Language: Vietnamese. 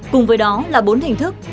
cùng với đó là bốn hình thức